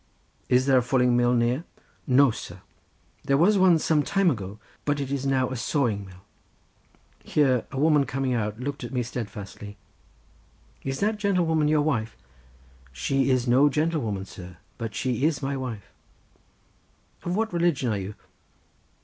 "Is there a fulling mill near?" "No, sir, there was one some time ago, but it is now a sawing mill." Here a woman, coming out, looked at me steadfastly. "Is that gentlewoman your wife?" "She is no gentlewoman, sir, but she is my wife." "Of what religion are you?"